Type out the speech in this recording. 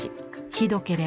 ひどけれ